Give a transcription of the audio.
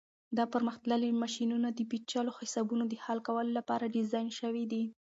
دا پرمختللي ماشینونه د پیچلو حسابونو د حل کولو لپاره ډیزاین شوي دي.